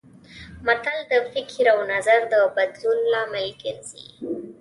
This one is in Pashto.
متل د فکر او نظر د بدلون لامل ګرځي